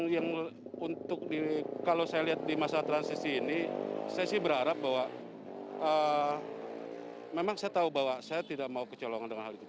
jadi kalau saya lihat di masa transisi ini saya sih berharap bahwa memang saya tahu bahwa saya tidak mau kecolongan dengan hal itu